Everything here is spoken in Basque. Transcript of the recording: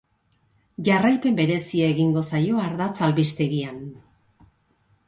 Jarraipen berezia egingo zaio ardatz albistegian.